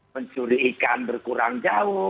mencurigikan berkurang jauh